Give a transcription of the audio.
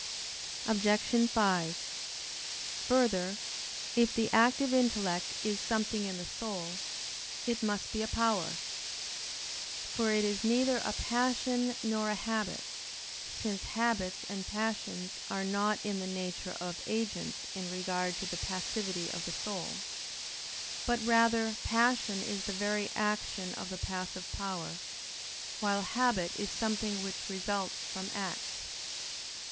Obj. 5: Further, if the active intellect is something in the soul, it must be a power. For it is neither a passion nor a habit; since habits and passions are not in the nature of agents in regard to the passivity of the soul; but rather passion is the very action of the passive power; while habit is something which results from acts.